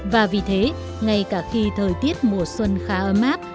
và vì thế ngay cả khi thời tiết mùa xuân khá ấm áp